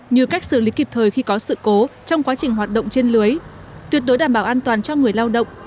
như cách xử lý kịp thời khi có sự cố trong quá trình hoạt động trên lưới tuyệt đối đảm bảo an toàn cho người lao động